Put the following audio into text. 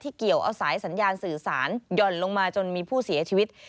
เกี่ยวเอาสายสัญญาณสื่อสารหย่อนลงมาจนมีผู้เสียชีวิต